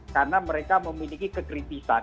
karena mereka memiliki kekritisan